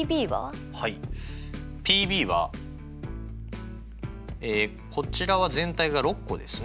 はいＰはこちらは全体が６個ですね。